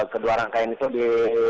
kedua rangkaian itu di